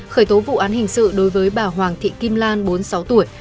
khởi tố vụ án hình sự đối với bà hoàng thị kim lan bốn mươi sáu tuổi